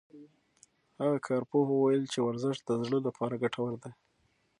هغه کارپوه وویل چې ورزش د زړه لپاره ګټور دی.